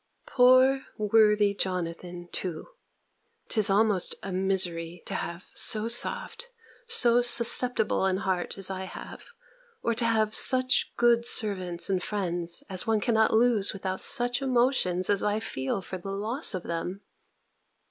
Poor worthy Jonathan, too, ('tis almost a misery to have so soft, so susceptible an heart as I have, or to have such good servants and friends as one cannot lose without such emotions as I feel for the loss of them!)